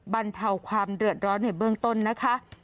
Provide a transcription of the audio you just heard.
บรรเทาความเดือดร้อนในเบื้องต้นนะคะ